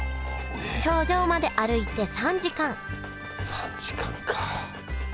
頂上まで歩いて３時間３時間か。